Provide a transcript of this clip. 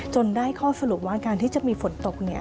ได้ข้อสรุปว่าการที่จะมีฝนตก